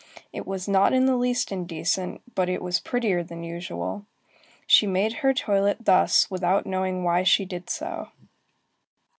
It was not in the least indecent, but it was prettier than usual. She made her toilet thus without knowing why she did so.